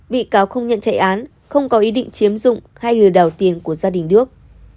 bị cáo không nhận chạy án không có ý định chiếm dụng hay lừa đảo tiền của gia đình đức